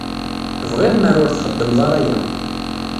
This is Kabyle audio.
Bɣiɣ mer ur txeddmeḍ ara aya.